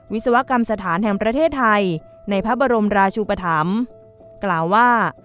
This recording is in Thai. วิศวกรรมสถานแห่งประเทศไทยในพระบรมราชุปธรรมกล่าวว่า